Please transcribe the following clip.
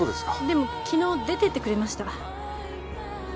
でも昨日出てってくれました。